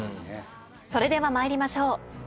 それでは参りましょう。